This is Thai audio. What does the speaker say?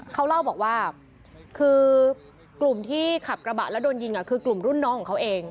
เขาเล่าบอกว่าคือกลุ่มที่ขับกระบะแล้วโดนยิงคือกลุ่มรุ่นน้องของเขาเอง